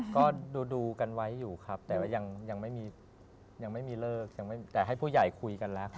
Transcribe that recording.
ก็ดูกันไว้อยู่ครับแต่ว่ายังไม่มีเลิกยังไม่แต่ให้ผู้ใหญ่คุยกันแล้ว